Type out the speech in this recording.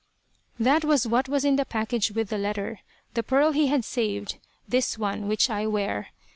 That was what was in the package with the letter. The pearl he had saved; this one which I wear.